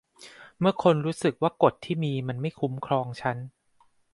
เมื่อคนรู้สึกว่ากฎที่มีมันไม่คุ้มครองฉัน